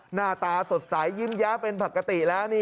หน้าตาสดใสยิ้มแย้มเป็นปกติแล้ว